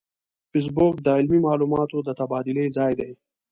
فېسبوک د علمي معلوماتو د تبادلې ځای دی